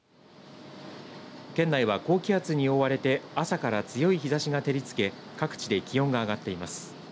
県内は、高気圧に覆われて朝から強い日ざしが照りつけ各地で気温が上がっています。